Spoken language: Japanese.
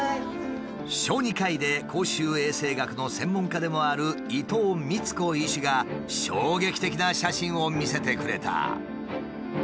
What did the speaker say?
小児科医で公衆衛生学の専門家でもある伊藤明子医師が衝撃的な写真を見せてくれた。